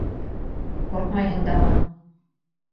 — Ҡурҡмайһың дамы?